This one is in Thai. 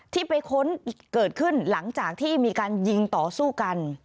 ที่ไปค้นเกิดขึ้นหลังจากที่มีการยิงต่อสู้กัน